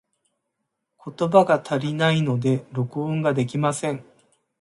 言葉が足りないので、録音ができません。